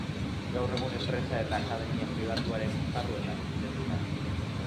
Gaur egun enpresa eta akademia pribatuaren esparruetan egiten du lan.